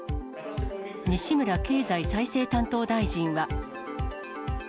西村経済再生担当大臣は。